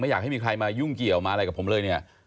อยากให้มีใครมายุ่งเกี่ยวมาอะไรกับผมเลยเนี่ย